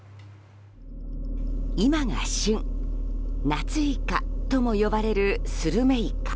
夏イカとも呼ばれるスルメイカ。